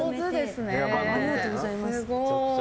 ありがとうございます。